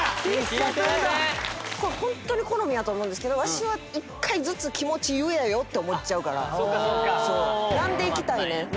これホントに好みやと思うんですけどわしは１回ずつ気持ち言えよって思っちゃうから。